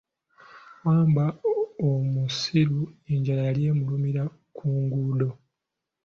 Wambwa omusiru enjala yali emulumira ku nguudo.